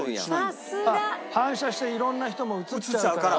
さすが！反射していろんな人も写っちゃうから。